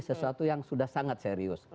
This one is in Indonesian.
sesuatu yang sudah sangat serius